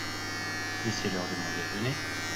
Mais c’est l’heure de mon déjeuner.